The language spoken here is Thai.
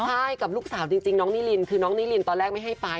ใช่กับลูกสาวจริงน้องนิรินคือน้องนิรินตอนแรกไม่ให้ไป